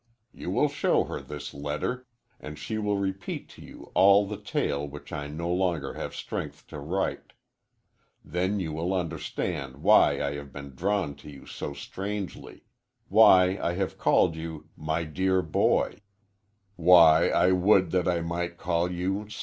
You will show her this letter, and she will repeat to you all the tale which I no longer have strength to write. Then you will understand why I have been drawn to you so strangely; why I have called you "my dear boy"; why I would that I might call you "son."